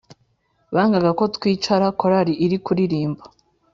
Bangaga ko twicara korari iri kuririmba